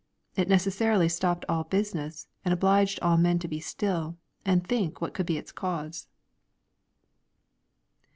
It necessarily stopped all business, and obliged all men to be still, and think what could be its cause.